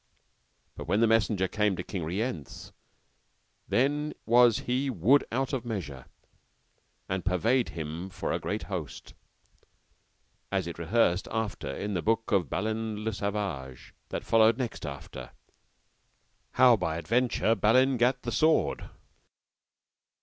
But when the messenger came to King Rience, then was he wood out of measure, and purveyed him for a great host, as it rehearseth after in the book of Balin le Savage, that followeth next after, how by adventure Balin gat the sword.